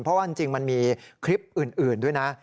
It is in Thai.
เพราะว่าจริงมันมีคลิปอื่นด้วยนะ